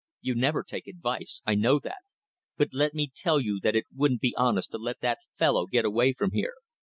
You never take advice I know that; but let me tell you that it wouldn't be honest to let that fellow get away from here.